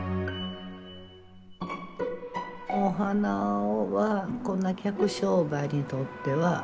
お花はこんな客商売にとっては必要不可欠。